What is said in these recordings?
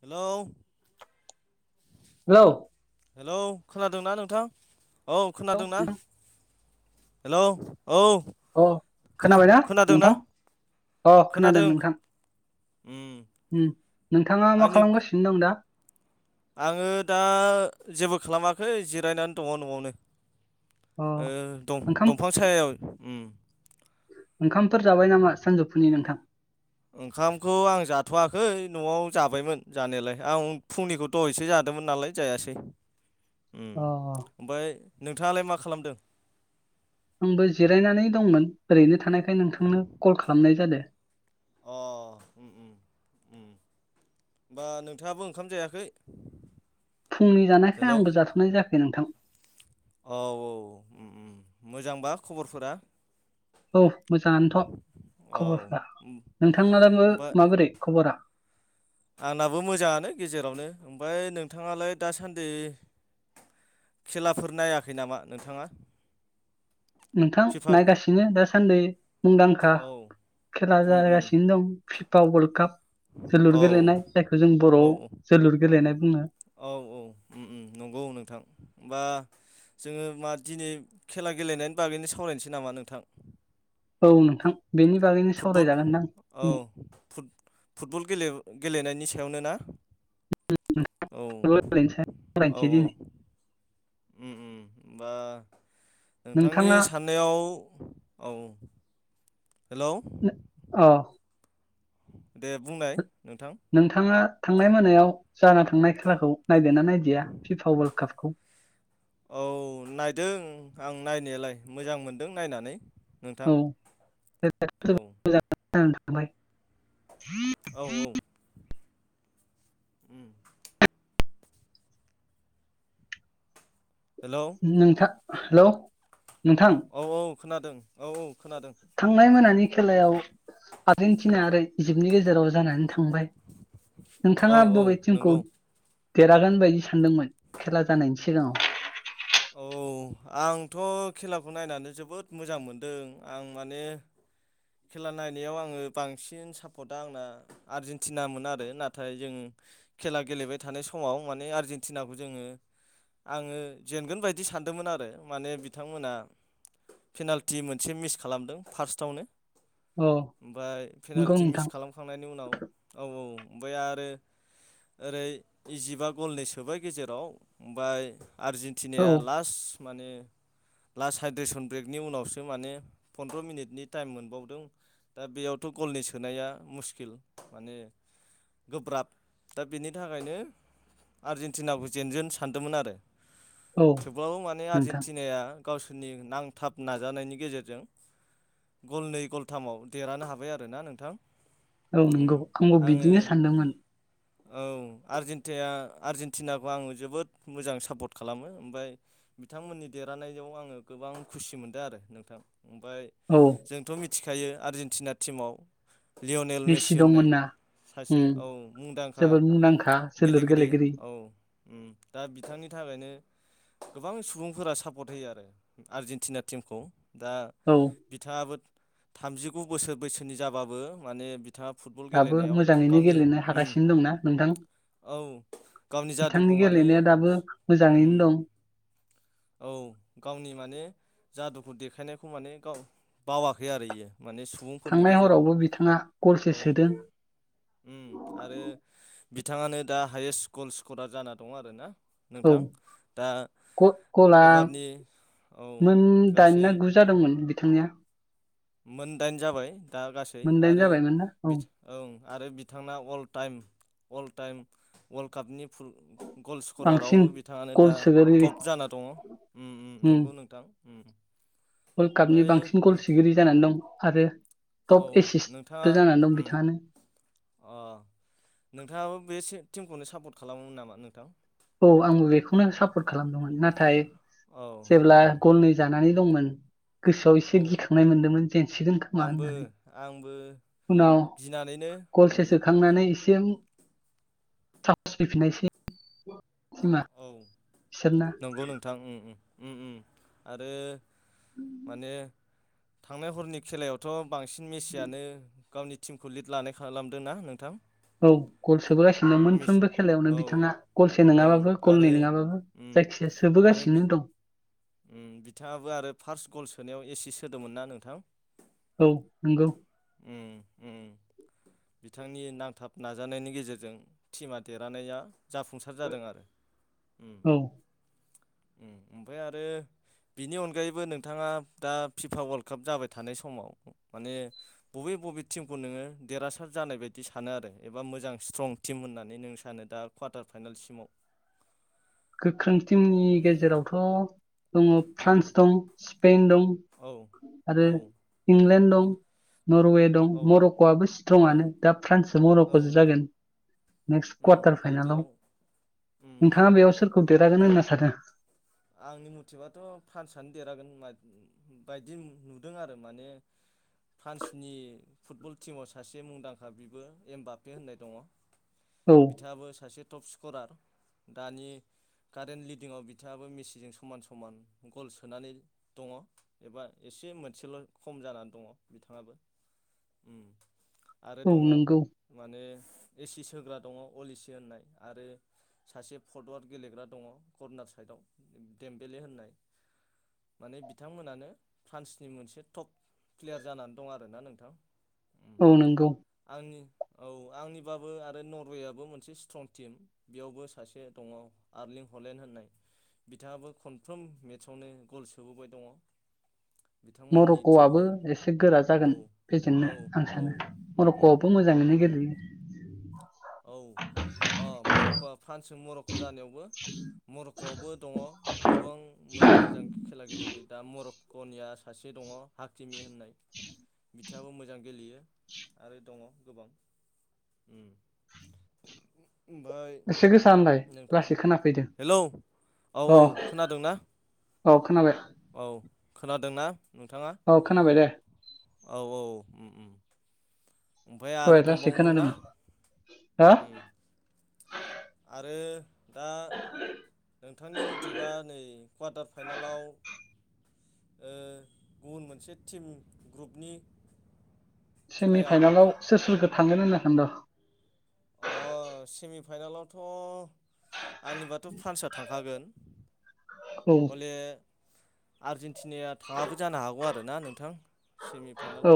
Hello. Hello hello खोनादोंना नोंथां औ खोनादोंना। हेल' औ। अ खोना खोनाबायनाा खोनादोंना नोंथां अ खोनादों नोंथां। उम उम नोंथाङा मा आंनि खालामगासिनो दं दा? आङो दा जेबो खालामाखै जिरायनानै दङ न'आवनो। अ ओ ओंखाम दं-दंफां सायायाव उम ओंखामफोर जाबाय नामा सानजौफुनि नोंथां। ओंखामखौ आं जाथ'वाखै न'आव जाबायमोन जानायालाय आं फुंनिखौ। दहय एसे जादोंमोन नालाय जायासै। उम अ ओमाय नोंथाङालाय मा खालामदों। आंबो जिरायनानै दंमोन ओरैनो थानायखाय नोंथांनो कल खालामनाय जादों। अ उम उम होमबा नोंथाङाबो ओंखाम जायाखै। फुंनि जानायखाय हेलौ आंबो जाथ'नाय जायाखै नोंथां। औ औ उम उम मोजांबा खबरफोरा। औ मोजाङानोथ' औ खबरफ उम नोंथांन दो ओमफाय माबोरै खबरा। आंनाबो मोजाङानो गेजेरावनो ओमफ्राय नोंथाङालाय दासान्दि। खेलाफोर नायाखै नामा नोंथाङा। नोंथां फिफा नायगासिनो दासान्दि मुंदांखा औ खेला उम उम जागासिनो दं। फिफा वर्ल्ड काप औ जोलुर गेलेनाय जायखौ जों औ बर'आव जोलुर गेलेनाय बुङो। औ औ नंगौ नोंथां होमबा। जोङो मा दिनै खेला गेलेनायनि बागैनो सावरायनोसै नामा नोंथां। औ नोंथां बेनि। बागैनो फुटबल सावरायजागोन दां औ दिनै फुट फुटबल गेलेनायनि सायावनो ना। औ फुटबल गेलेनायनि सायाव औ सावरायनोसै दिनै औ। उम उम होमबा नोंथांनि नोंथाङा साननायाव औ। हेलौ नों अ। दे बुंनाय नोंथां। नोंथाङा थांनाय मोनायाव जाना थांनाय खेलाखौ नायदोना नायदिया फिफा वर्ल्ड कापखौ। औ नायदों आं नायनायालाय मोजां मोनदों नायनानै। नोंथां औ औ [unintelligible] औ औ। उम हेलौ नोंथा हेलौ नोंथां। औ औ खोनादों औ औ खोनादों। थांनाय मोनानि खेलायाव आर्जेेनटिना आरो इजिप्टनि गेजेराव जानानै थां थांबाय औ नोंथाङा औ बबे टिमखौ नंगौ देरहागोन बायदि सानदोंमोन खेला जानायनि सिगाङाव। औ आंथ' खेलाखौ नायनानै जोबोद मोजां मोनदों आं माने। खेला नायनायाव आङो बांसिन सापर्टआ आंना आर्जेेनटिनामोन आरो नाथाय जों खेला गेलेबाय थानाय समाव माने आर्जेेनटिनाखौ जोङो आङो जेनगोन बायदि सानदोंमोन आरो माने बिथांमोना पेनाल्टि मोनसे मिस खालामदों फार्स्टावनो औ ओमफाय नंगौ पेनाल्टि मिस नोंथां खालामखांनायनि उनाव औ औ ओमफ्राय आरो ओरै इजिबा गलनि सोबाय गेजेराव ओमफ्राय औ आर्जेेनटिनाया लास्ट माने लास्ट हाइद्रेसन ब्रेकनि उनावसो माने पन्द्र' मिनिटनि टाइम मोनबाव दों बेयावथ' गलनि सोनाया मुस्किल माने गोब्राब दा बेनि थाखायनो आर्जेनटिनाखौ जेनगोन सानदोंमोन आरो औ थेवब्लाबो माने नोंथां आर्जेेनटिनाया गावसोरनि नांथाब नाजानायनि गेजेरजों गलनै गल थामाव देरहानो हाबाय आरो ना नोंथां। औ उम नंगौ आंबो आङो बिदिनो सानदोंमोन। औ आरजेनटेया आर्जेनटिनाखौ आङो जोबोद मोजां सापर्ट खालामो ओमफाय बिथांमोननि देरहानायाव आङो गोबां खुसि मोनदों आरो नोंथां ओमफ्राय औ जोंथ' मिथिखायो आर्जेेनटिना टिमाव लियनेल मेसि होननाय सासे उम औ मुंदांखा जोबोद मुंदांखा जोलुर गेलेगिरि औ उम दा बिथांनि थाखायनो गोबां सुबुंफोरा सापर्ट होयो आरो आर्जेेनटिना टिमखौ दा औ बिथाङाबो थामजिगु बोसोर बैसोनि जाबाबो माने बिथांआ फुटबल दाबो गेलेनायाव मोजाङैनो गावनि गेलेनो उम हागासिनो दंना नोंथां औ गावनि बिथांनि जादुखौ माने गेलेनाया दाबो उम मोजाङैनो दं औ गावनि माने जादुखौ देखायनायखौ माने गाव बावाखै आरो इयो माने सुबुं थांनाय हरावबो बिथाङा गलसे सोदों। उम आरो बिथाङानो दा हायेस्ट गल स्करार जाना दं आरो ना। औ नोंथां दा ग गला एबारनि औ मोन दाइन ना गासै गु जादोंमोन बिथांनिया मोनदाइन जाबाय दा गासै मोनदाइन आरो जाबायमोन ना बि औ ओं आरो बिथांना all time all time world कापनि फुल गल बांसिन स्करारावबो बिथाङानो गल दा सोगिरि टप जाना दङ उम उम नंगौ नोंथां। उम वर्ल्ड कापनि ओमफ्राय बांसिन गल नो सोगिरि जानानै दं आरो। औ टप एसिस्टबो नोंथाङा जानानै दं उम बिथाङानो। अ नोंथाङाबो बे सि‌टिमखौनो सापर्ट खालामोमोन नामा नोंथां? औ आंबो बेखौनो सापर्ट खालामदोंमोन नाथाय औ जेब्ला उम गलनै जानानै दंमोन गोसोआव एसे औ गिखांनाय मोनदोंमोन जेनसिगोन खोमा आंबो होनना आंबो उनाव गिनानैनो उम गलसे सोखांनानै एसेम साहस फैफिननायसै टिमा औ बिसोरना नोंगौ नोंथां उम उम उम उम आरो उम माने थांनाय हरनि खेलायावथ' बांसिन मेसियानो गावनि टिमखौ लिड लानाय खालामदों ना नोंथां? औ गल सोबोगासिनो मिस मोनफ्रोमबो खेलायावनो औ बिथाङा गलसे औ नङाबाबो आरो गलनै नङाबाबो उम जायखिजाया आरो बि सोबोगासिनो दं। उम बिथाङाबो आरो फार्स्ट गल सोनायाव एसिस्ट होदोंमोन ना नोंथां औ नंगौ उम उम बिथांनि नांथाब नाजानायनि गेजेरजों टिमा देरहानाया जाफुंसार जादों आरो ओम औ ओमफ्राय आरो आरो बिनि अनगायैबो नोंथाङा दा फिफा वर्ल्ड काप जाबाय थानाय समाव माने बबे बबे टिमखौ नोङो देरहासार जानाय बायदि सानो आरो एबा मोजां स्ट्रं टिम होननानै नों सानो दा कवारटार फाइनालसिमाव गोख्रों टिमनि गेजेरावथ' दङ उम फ्रान्स दं स्पेन दं औ आरो औ उम इंलेण्ड दं नरवे दं औ मर'क'आबो औ स्ट्रंनो दा फ्रान्सजों औ मर'खज जागोन नेक्स्ट उम कवारटार दा फाइनलाव बेयाव उम नोंथाङा बेयाव सोरखौ देरहागोन होनना सानो? आंनि मथेबाथ' फ्रान्सनो देरहागोन बायदि नुदों आरो माने फ्रान्सनि फुटबल टिमाव सासे मुंदांखा बिबो एम बापे होननाय दङ। औ बिथांआबो सासे टप स्करार दानि कारेन्ट लिडिंआव फाबो मिसिजों समान समान गल सोनानै दङ। एबा एसे मोनसेल' खम जानानै दङ बिथाङाबो। आरो औ दङ नंगौ माने एसि सोग्रा दङ अल एसि होननाय आरो सासे फर्टवार् गेलेग्रा दङ कर्नार साइदआव देमबले होननाय। माने बिथांमोनानो फ्रान्सनि मोनसे टप क्लियार जानानै दं आर ना नोंथां। उम औ नंगौ। आंनि औ आंनिबाबो आरो नरवेयाबो मोनसे स्ट्रं टिम बेयावबो सासे दङ आर्लिं हलेण्ड होननाय। बिथाङाबो खनफ्रोम मेट्सआवनो गल सोबोबाय दङ। बिथांमोननि टिमखौ मरक'आबो एसे गोरा औ जागोन औ फेजेननो आं औ सानो उम उम अरख'बो उम मोजाङैनो उम गेलेयो। औ अ मर'क'आ फ्रान्सजों मर'क' जानायाव मरक'आवबो दङ गोबां मोजां मोजां खेला गेलेगिरि दा मर गनिया सासे दङ हाखिमि होननाय। बिथाङाबो मोजां गेलेयो आरो दङ गोबां [inaudible] ओमफफ्राय एसे गोसा होनलाय नोंथां लासै खोनाफैदों हेलौ औ अ औ खोनादों ना? औ खोनाबाय। औ खोनादोंना नोंथाङा? औ खोनाबाय दे। औ औ ओम ओम। ओमफ्राय आरो दहाय लासै दंबावोमोन ना खोनादोंमोन हो ओम ओम। आरो दा नोंथांनि मथेबा नै क्वाटार फाइनेलाव ओ गुबुन मोनसे टिम ग्रुपनि खेलायाव सेमिफाइनेलाव सोर सोरखौ थांगोन होननाखद'? अ सेमि फाइनाेलावथ' आंनिबाथ' फ्रान्स थांखागोन औ हले आर्जेेनटिनायया थाङाबो जानो हागौ आरो ना नोंथां सेमि फाइनाल औ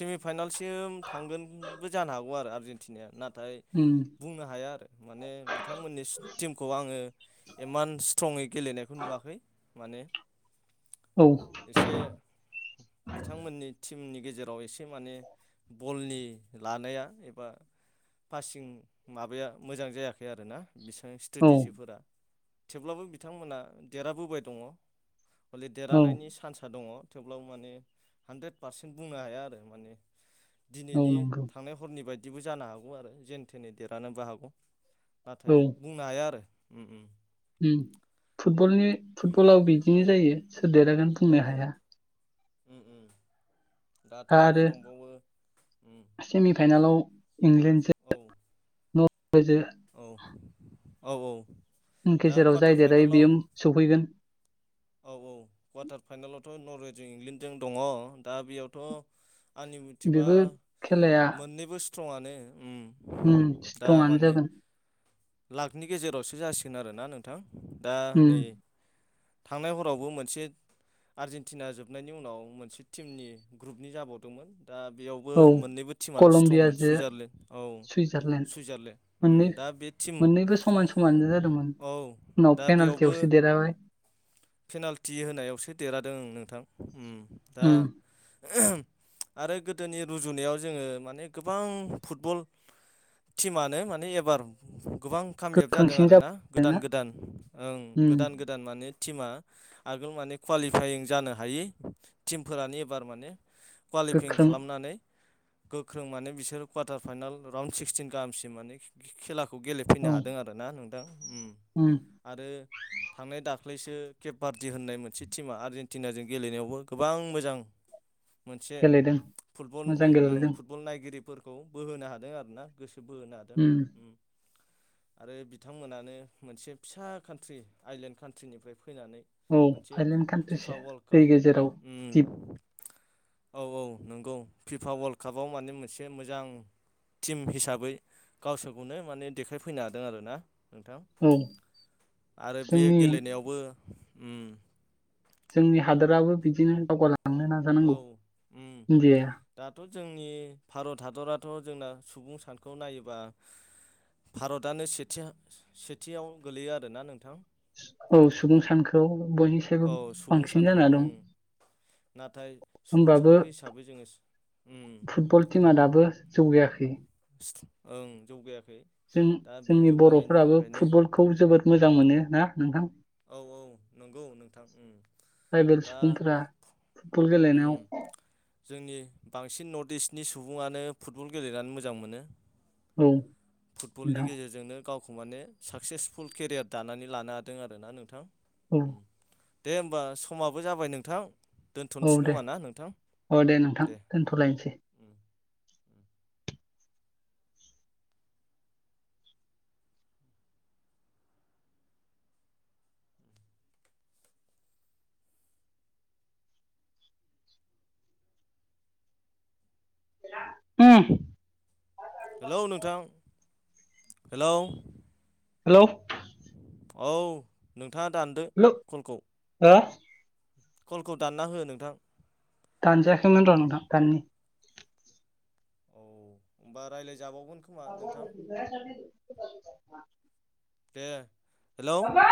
सेमिफाइनालसिम थांगोनबो जानो हागौ आरो आरजेनटिनाया नाथाय उम बुंनो हाया आरो माने बिथांमोननि टिमखौ आङो एभान्स स्ट्रङै गेलेनायखौ नुवाखै माने औ एसे बिथांमोननि टिमनि गेजेराव एसे माने बलनि लानाया एबा पासिं माबाया मोजां जायाखै आरोना बिसबां औ स्ट्रेटेजिफोरा। थेवब्लाबो बिथांमोना देरहाबोबाय दङ हलि औ देरहानायनि चान्स दङ। थेवब्लाबो माने हानद्रेद पारसेन्ट बुंनो हाया आरो माने। औ दिनैनि नंगौ थांनाय हरनि बायदिबो जानो हागौ आरो जेने थेने देरहानोबो हागौ। नाथाय औ बुंनो हाया आरो उम उम। उम फुटबनि फुटबलाव औ बिदिनो जायो सोर देरागोन औ बुंनो हाया। उम उम दाथ' आरो दंबावो उम सेमि फाइनेलाव इंलेण्डजों औ। [unintelligible] औ औ औ। दा गेजेराव क्वार्टार जाय देरायो फाइनालाव बेयो सौफैगोन। औ औ क्वाटार फाइनेलावथ' नरवेजों इंलेण्डजों दङ दा बेयावथ' आंनि मुथिबा बेबो खेलाया मोननैबो सु स्ट्रंआनो उम दा स्ट्रंआनो माने जागोन लाखनि गेजेरावसो जासिगोन आरोना नोंथां दा उम नै थांनाय हरावबो मोनसे आर्जेेनटिना जोबनायनि उनाव मोनसे टिमनि ग्रुपनि जाबावदोंमोन। दा बेयावबो औ मोननैबो टिमानो स्ट्रंमोन कलम्बियाजो सुइजारलेण्ड औ सुइजारलेण्ड सुइजारलेण्ड। उम मोननै दा बे टिम मोननैबो समान समान जाजादोंमोन औ उनाव दा बेयावबो पेनाल्टियावसो देरहाबाय। पेनाल्टि होनायावसो देरहादों ओं नोंथां। उम दा उम आरो गोदोनि रुजुनायाव जोङो माने गोबां फुटबल टिमानो माने एबार गोबां खामियाब जादों गोख्रोंसिन आरो ना जाबोदोंना गोदान गोदान ओं उम गोदान गोदान माने टिमा आगोल माने क्वालिफायिं जानो हायि टिमफोरानो एबार माने क्वालिफिं गोख्रों खालामनानै गोख्रों माने बिसोर कवार्टार फाइनाल राउन्ड सिक्सटिन गाहामसिम माने खे-खे-खेलाखौ औ गेलेफैनो हादों आरो। ना नोंथां? उम उम। आरो थांनाय दा ख्लैसो केप बार्डि होननाय मोनसे टिमा आर्जेन्टिनाजों गेलेनायावबो गोबां मोजां मोनसे गेलेदों फुटबल मोजां ओं गेलेदों फुट बल नायगिरिफोरखौ बोहोनो हादों आरो ना गोसो बोहोनो हादों उम। आरो बिथांमोनानो मोनसे फिसा कान्ट्रि आइलेण्ड कान्ट्रिनिफ्राय फैनानै औ मोनसे थाइलेण्ड फिफा कान्ट्रिसो वर्ल्ड काप दै गेजेराव। दिप उम। औ औ नोंगौ फिफा वर्ल्ड कापाव माने मोनसे मोजां टिम हिसाबै गावसोरखौनो माने देखायफैनो हादों आरो ना। नोंथां औ आरो बे जोंनि गेलेनायावबो उम जोंनि हादोराबो बिदिनो दावगालांनो नाजानांगौ औ उम इन्डियाया। दाथ' जोंनि भारत हादराथ' जोंना सुबुं सानखोआव नायोबा भारतआनो सेथि सेथियाव गोलैयो आरोना नोंथां। औ सुबुं सानखोआव बयनिसायबो औ सुबुं बांसिन सानखौ जाना उम दं। नाथाय सुबुं होमबाबो सानखो हिसाबै जोङो उम फुटबल टिमा दाबो जौगायाखै। ओं जौगायाखै। जों दा बे जोंनि जौगानायनि बर'फोराबो थाखायनो फुटबलखौ जोबोद मोजां मोनो। ना नोंथां? औ औ नोंगौ नोंथां उम ट्राइबेल दा सुबुंफोरा फुटबल गेलेनायाव उम [unintelligible] जोंनि बांसिन नर्थ इस्टनि सुबुङानो फुटबल गेलेनानै मोजां मोनो। औ। फुटबलनि नोंथां गेजेरजोंनो गावखौ माने साक्सेसफुल केरियार दानानै लानो हादों आरो ना नोंथां। औ दे होमबा समाबो जाबाय नोंथां। दोनथ'सै औ दे खोमा ना नोंथां अ नोंथां दे। दोनथ'लायनोसै उम। ओम। हेलौ नोंथां हेलौ। हेलौ। औ नोंथाङा दानदो हेलौ कलखौ। हो कलखौ दानना हो नोंथां। दानजायाखैमोन र' नोंथां दाननि। औ होमबा रायलायजाबावगोन। आ जाय सलि [unintelligible] दे। हेलौ बाबा।